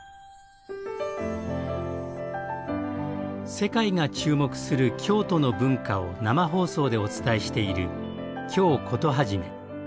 世界が注目する京都の文化を生放送でお伝えしている「京コトはじめ」。